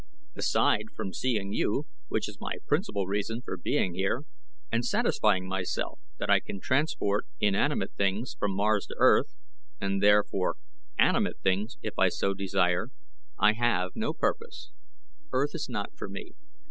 "Aside from seeing you, which is my principal reason for being here, and satisfying myself that I can transport inanimate things from Mars to Earth, and therefore animate things if I so desire, I have no purpose. Earth is not for me.